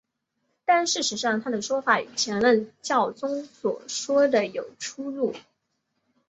但事实上他的说法与前任教宗所说的有出入。